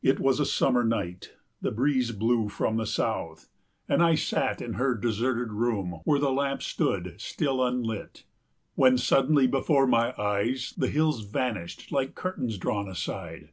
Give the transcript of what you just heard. It was a summer night; the breeze blew from the south; and I sat in her deserted room where the lamp stood still unlit. When suddenly from before my eyes the hills vanished like curtains drawn aside.